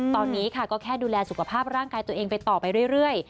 ตอนนี้ค่ะก็แค่ดูแลสุขภาพร่างกายตัวเองไปต่อไปเรื่อย